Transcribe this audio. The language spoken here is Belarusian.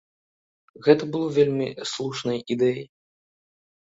Гэта было вельмі слушнай ідэяй.